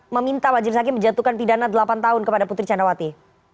meminta majelis hakim menjatuhkan pidana delapan tahun kepada putri candrawati